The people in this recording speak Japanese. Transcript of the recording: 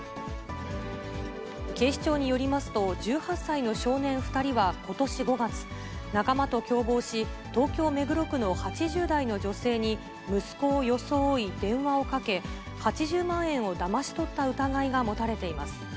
警視庁によりますと、１８歳の少年２人はことし５月、仲間と共謀し、東京・目黒区の８０代の女性に、息子を装い電話をかけ、８０万円をだまし取った疑いが持たれています。